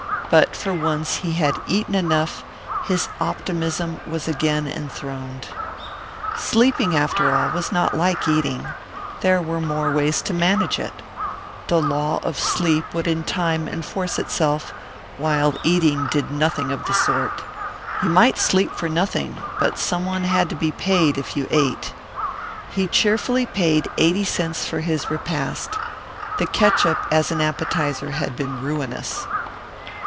But for once he had eaten enough; his optimism was again enthroned. Sleeping, after all, was not like eating. There were more ways to manage it. The law of sleep would in time enforce itself, while eating did nothing of the sort. You might sleep for nothing, but someone had to be paid if you ate. He cheerfully paid eighty cents for his repast. The catsup as an appetizer had been ruinous.